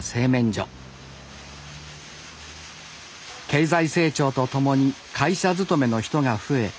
経済成長とともに会社勤めの人が増え